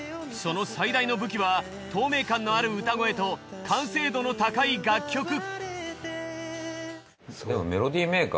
その最大の武器は透明感のある歌声と完成度の高い楽曲。